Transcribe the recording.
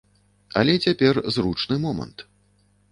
Але цяпер зручны момант.